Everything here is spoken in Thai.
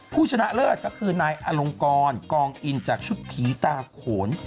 ชนะเลิศก็คือนายอลงกรกองอินจากชุดผีตาโขน